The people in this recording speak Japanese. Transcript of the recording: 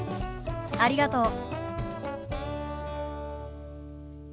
ありがとう。